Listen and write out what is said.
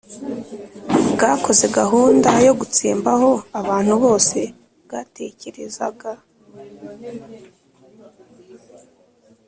bwakoze gahunda yo gutsembaho abantu bose bwatekerezaga